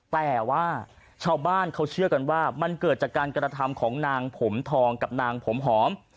แต่ว่าชาวบ้านเขาเชื่อกันว่ามันเกิดจากการกระทำของนางผมทองกับนางผมหอม